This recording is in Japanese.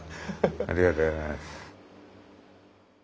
ありがとうございます。